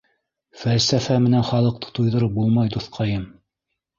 Фәлсәфә менән халыҡты туйҙырып булмай, дуҫҡайым.